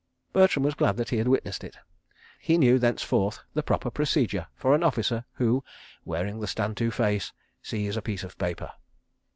Bertram was glad that he had witnessed it. He knew, thenceforth, the proper procedure for an officer who, wearing the Stand to face, sees a piece of paper.